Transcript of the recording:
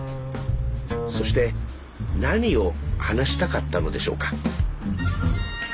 そして何を話したかったのでしょうか。